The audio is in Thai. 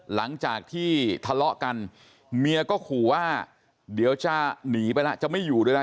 หลังจากที่ทะเลาะกันเมียก็ขู่ว่าเดี๋ยวจะหนีไปแล้วจะไม่อยู่ด้วยแล้ว